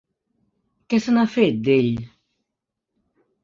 Què se n'ha fet, d'ell?